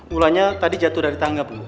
mulanya tadi jatuh dari tangga bu